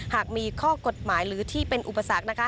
หากมีข้อกฎหมายหรือที่เป็นอุปสรรคนะคะ